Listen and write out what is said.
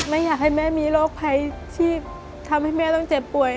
ไม่อยากให้แม่มีโรคภัยที่ทำให้แม่ต้องเจ็บป่วย